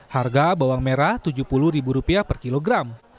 harga bawang merah rp tujuh puluh per kilogram